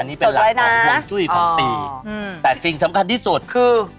นี่เป็นหลักของห่วงจุ้ยของปีแต่สิ่งสำคัญที่สุดคือ